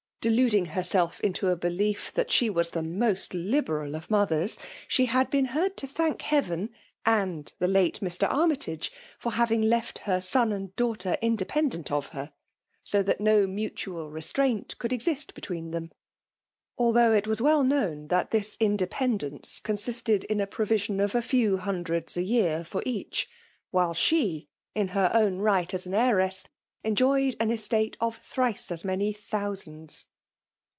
Deluding herself into a belief that she was the most liberal of mothers, she had been heard to thank heaven, and the late Mr. Armytage, for having left her son and daugh* FEBtALE DOMINATION. 3 ter independeiit of her, bo that no mntiial restraint could exist between them; althou^ it was well known that this independence con nsted in a provision of a few hundreds a year for each ; while she, in her own right as an heiress, enjoyed an estate of thrice as many thousands